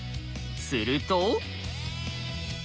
すると。